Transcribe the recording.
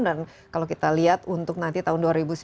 dan kalau kita lihat untuk nanti tahun dua ribu sembilan belas